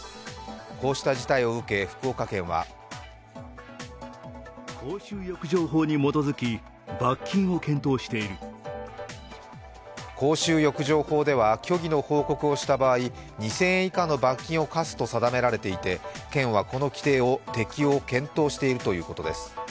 こうした事態を受け、福岡県は公衆浴場法では虚偽の報告をした場合２０００円以下の罰金を科すと定められていて県はこの規定の適用を検討しているということです。